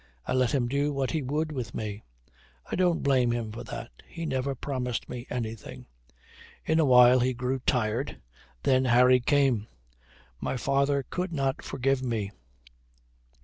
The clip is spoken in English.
I let him do what he would with me. I don't blame him for that. He never promised me anything. In a while he grew tired. Then Harry came. My father could not forgive me.